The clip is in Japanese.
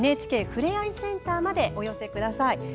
ＮＨＫふれあいセンターまでお寄せください。